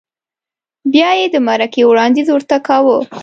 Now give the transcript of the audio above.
بیا یې د مرکې وړاندیز ورته کاوه؟